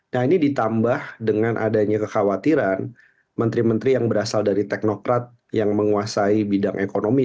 nah ini ditambah dengan adanya kekhawatiran menteri menteri yang berasal dari teknokrat yang menguasai bidang ekonomi